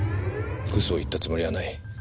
嘘を言ったつもりはない。